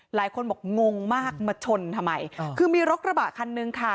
หลายคนบอกงงมากมาชนทำไมคือมีรถกระบะคันนึงค่ะ